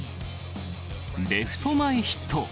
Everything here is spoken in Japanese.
レフト前ヒット。